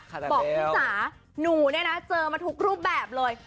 บอกคุณจ๋าหนูเนี่ยนะเจอมาทุกรูปแบบเลย